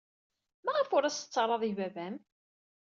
Maɣef ur as-tettarrad i baba-m?